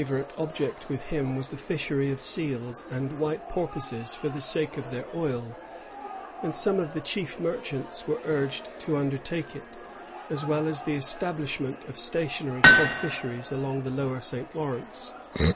favorite object with him was the fishery of seals and white porpoises for the sake of their oil; and some of the chief merchants were urged to undertake it, as well as the establishment of stationary cod fisheries along the Lower St. Lawrence.